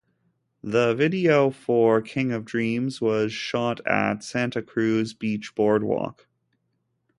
The video for "King of Dreams" was shot at Santa Cruz Beach Boardwalk.